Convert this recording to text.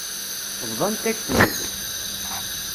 Bḍant-ak-ten-id.